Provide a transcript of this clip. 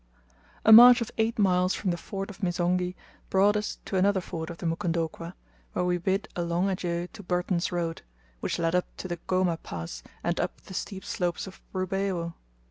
A march of eight miles from the ford of Misonghi brought us to another ford of the Mukondokwa, where we bid a long adieu to Burton's road, which led up to the Goma pass and up the steep slopes of Rubeho.